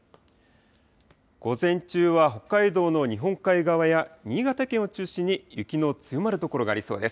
午前中は北海道の日本海側や新潟県を中心に雪の強まる所がありそうです。